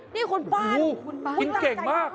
นี่คุณป้านกินเก่งมาก